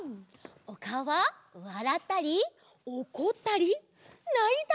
おかおはわらったりおこったりないたり！